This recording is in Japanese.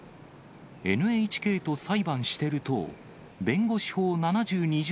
ＮＨＫと裁判してる党弁護士法７２条